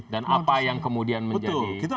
dan apa yang kemudian menjadi cerita